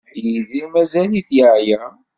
Yidir mazal-it yeɛya?